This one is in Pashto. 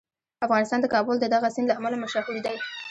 افغانستان د کابل د دغه سیند له امله مشهور دی.